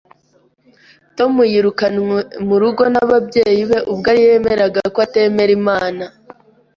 Tom yirukanwe mu rugo n'ababyeyi be ubwo yemeraga ko atemera Imana.